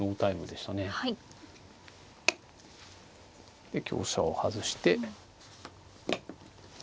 で香車を外して。